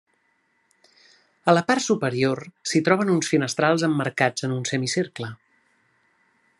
A la part superior s'hi troben uns finestrals emmarcats en un semicercle.